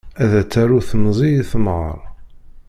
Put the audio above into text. A d-tarew temẓi i temɣer.